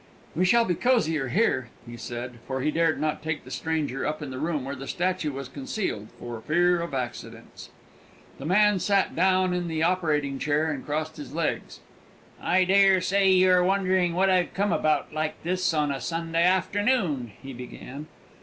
"We shall be cosier here," he said; for he dared not take the stranger up in the room where the statue was concealed, for fear of accidents. The man sat down in the operating chair and crossed his legs. "I dare say you're wondering what I've come about like this on a Sunday afternoon?" he began.